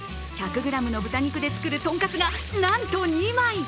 １００ｇの豚肉で作るとんかつがなんと２枚。